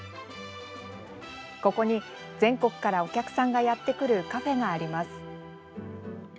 ここに全国から、お客さんがやってくるカフェがあります。